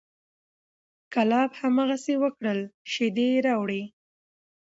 کلاب هماغسې وکړل، شیدې یې راوړې،